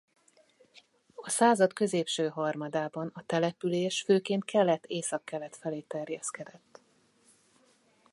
A század középső harmadában a település főként kelet–északkelet felé terjeszkedett.